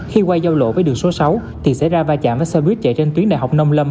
khi qua giao lộ với đường số sáu thì xảy ra va chạm với xe buýt chạy trên tuyến đại học nông lâm